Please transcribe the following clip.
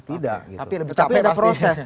tapi lebih capek pasti